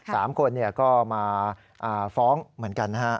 สามคนก็มาฟ้องเหมือนกันนะฮะ